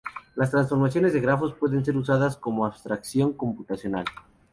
Las transformaciones de grafos pueden ser usadas como abstracción computacional.